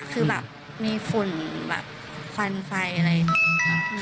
คือแบบมีฝุ่นแบบควันไฟอะไรอย่างนี้ค่ะ